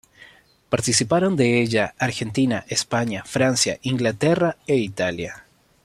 Participaron de ella Argentina, España, Francia, Inglaterra e Italia.